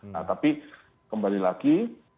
nah tapi kembali lagi